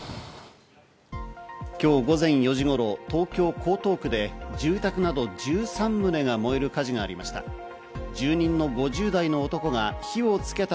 今日午前４時頃、東京・江東区で住宅など１３棟が燃える火事がありました。